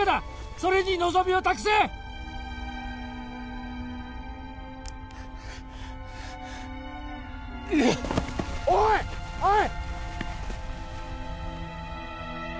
それに望みを託せうっおいおい！